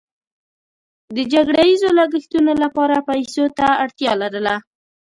د جګړه ییزو لګښتونو لپاره پیسو ته اړتیا لرله.